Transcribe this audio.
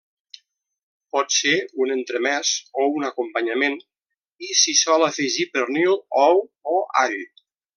Pot ser un entremès o un acompanyament, i s'hi sol afegir pernil, ou o all.